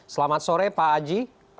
selamat sore pak aji